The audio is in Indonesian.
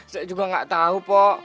saya juga gak tahu pok